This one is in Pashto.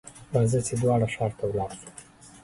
راځه ! چې دواړه ښار ته ولاړ شو.